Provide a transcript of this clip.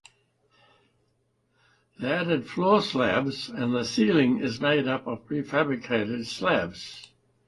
They added floor slabs and the ceiling is made up of prefabricated slabs.